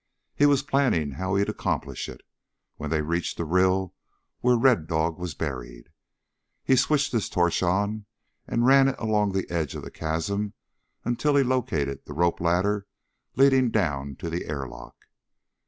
He was planning how he'd accomplish it when they reached the rill where Red Dog was buried. He switched his torch on and ran it along the edge of the chasm until he located the rope ladder leading down to the airlock.